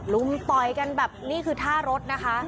ลุมต่อยกันแบบนี่คือท่ารถนะคะ